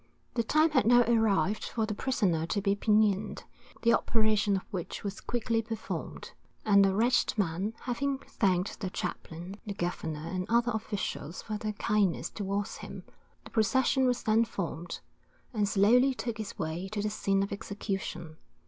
The time had now arrived for the prisoner to be pinioned, the operation of which was quickly performed, and the wretched man having thanked the chaplain, the governor, and other officials for their kindness towards him, the procession was then formed, and slowly took its way to the scene of execution.